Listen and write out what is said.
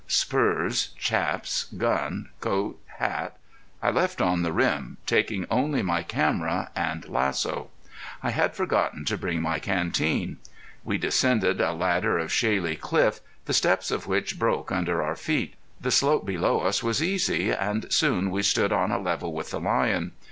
Spurs, chaps, gun, coat, hat, I left on the rim, taking only my camera and lasso. I had forgotten to bring my canteen. We descended a ladder of shaly cliff, the steps of which broke under our feet. The slope below us was easy, and soon we stood on a level with the lion.